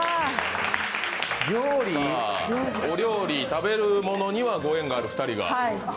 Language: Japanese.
お料理、食べるものには御縁のあるお二人が。